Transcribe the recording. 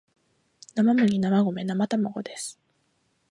生麦生米生卵です